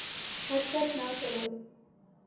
حرکت نہ کرو